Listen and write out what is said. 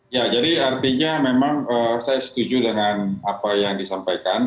ya jadi artinya memang saya setuju dengan apa yang disampaikan